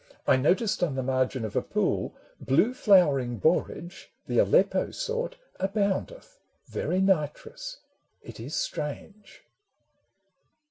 I noticed on the margin of a pool Blue flowering borage, the Aleppo sort, Aboundeth, very nitrous. It is strange